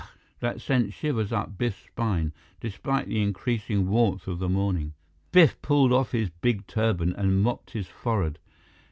_" that sent shivers up Biff's spine, despite the increasing warmth of the morning. Biff pulled off his big turban and mopped his forehead.